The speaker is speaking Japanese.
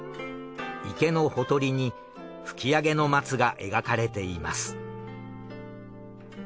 池のほとりに吹上松が描かれています。